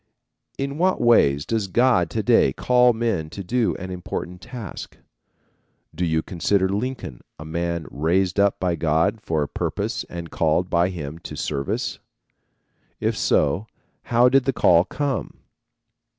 In what ways does God to day call men to do an important task? Do you consider Lincoln a man raised up by God for a purpose and called by him to service? If so, how did the call come?